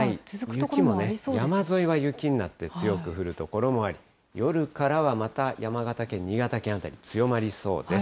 雪もね、山沿いは雪になって強く降る所もあり、夜からはまた山形県、新潟県辺り強まりそうです。